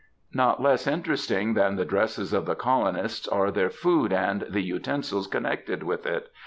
Not less interesting than the dresses of the colonists are their food and the utensils connected with it.